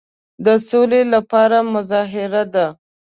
د سولي لپاره مظاهره ده.